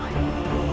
ada di gunung cermain